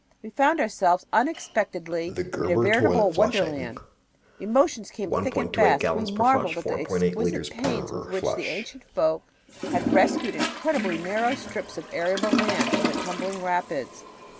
We found ourselves unexpectedly in a veritable wonderland. Emotions came thick and fast. We marveled at the exquisite pains with which the ancient folk had rescued incredibly narrow strips of arable land from the tumbling rapids.